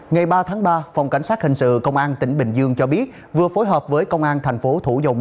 ngày ba tháng ba phòng cảnh sát hình sự công an tỉnh bình dương cho biết vừa phối hợp với công an thành phố thủ dầu một